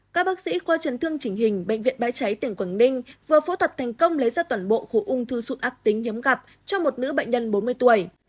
các bác sĩ qua trần thương chỉnh hình bệnh viện bãi cháy tiếng quảng ninh vừa phẫu thuật thành công lấy ra toàn bộ khu ung thư sụn ác tính nhóm gặp cho một nữ bệnh nhân bốn mươi tuổi